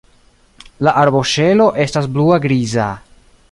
La arboŝelo estas blua-griza.